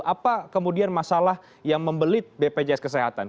apa kemudian masalah yang membelit bpjs kesehatan